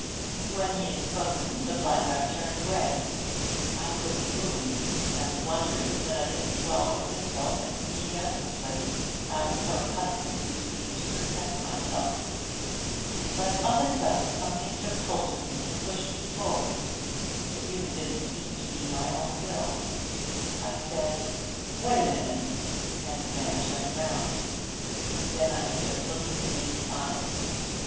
'When he had spoken, the blackguard turned away. I couldn't move, and the wonder is that I didn't swallow his insult, and sneak out of the place, I was so accustomed, you see, to repress myself. But of a sudden something took hold of me, and pushed me forward, it really didn't seem to be my own will. I said, "Wait a minute"; and the man turned round. Then I stood looking him in the eyes.